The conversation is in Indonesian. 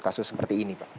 kasus seperti ini pak